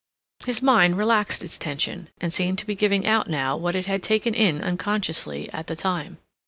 His mind relaxed its tension, and seemed to be giving out now what it had taken in unconsciously at the time.